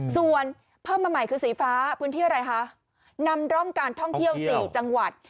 ส่วนเพิ่มมาใหม่คือสีฟ้าพื้นที่อะไรคะนำร่องการท่องเที่ยว๔จังหวัด